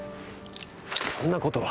そんなことは。